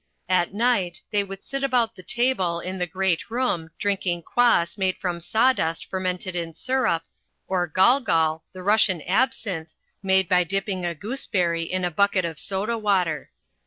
At night they would sit about the table in the great room drinking Kwas made from sawdust fermented in syrup, or golgol, the Russian absinth, made by dipping a gooseberry in a bucket of soda water.